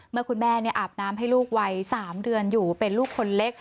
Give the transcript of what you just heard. เมื่อคุณแม่อาบน้ำให้ลูกวัย๓เดือนอยู่เป็นลูกคนเล็ก